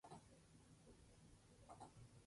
Realiza intercambios de especímenes con Kew Gardens.